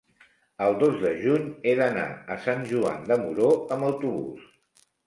El dos de juny he d'anar a Sant Joan de Moró amb autobús.